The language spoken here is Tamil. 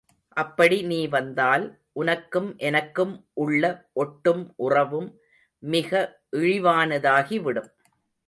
அப்படி நீ வந்தால், உனக்கும் எனக்கும் உள்ள ஒட்டும் உறவும் மிக இழிவானதாகி விடும்.